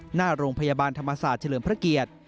หน้าโรงพยาบาลธรรมศาสตร์เฉลิมพระเกียรติ